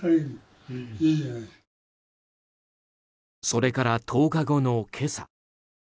それから１０日後の今朝。